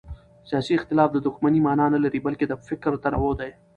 سیاسي اختلاف د دښمنۍ مانا نه لري بلکې د فکر تنوع ده